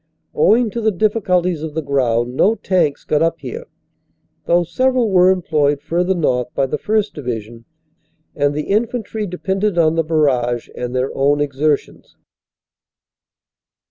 Owing to the difficulties of the ground, no tanks got up here, though several were employed further north by the 1st. Division, and the infantry depended on the barrage and their own exertions.